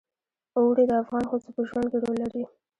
اوړي د افغان ښځو په ژوند کې رول لري.